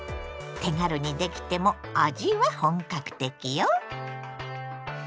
手軽にできても味は本格的よ。